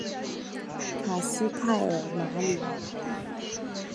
卡斯泰尔马里。